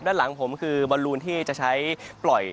ด้านหลังผมคือบอลลูนที่จะใช้ปล่อย